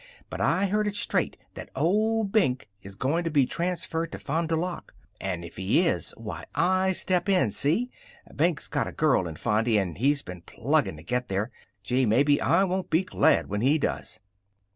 But I heard it straight that old Benke is going to be transferred to Fond du Lac. And if he is, why, I step in, see? Benke's got a girl in Fondy, and he's been pluggin' to get there. Gee, maybe I won't be glad when he does!"